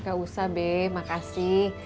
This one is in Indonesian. gak usah be makasih